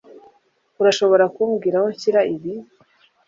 Urashobora kumbwira aho nshyira ibi?